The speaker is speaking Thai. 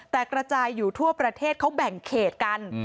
แต่กระจายอยู่ทั่วประเทศเขาแบ่งเขตกัน